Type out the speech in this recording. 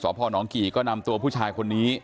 สคน้องกี่บุรีรำก็นำตัวผู้ชายคนนี้